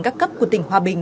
các cấp của tỉnh hòa bình